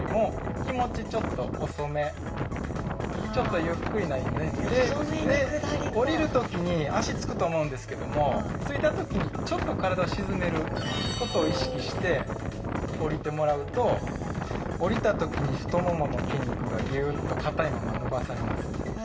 ちょっとゆっくりなイメージで下りるときに足着くと思うんですけども着いたときにちょっと体を沈めることを意識して下りてもらうと下りたときに太ももの筋肉がギューッと硬いまま伸ばされます。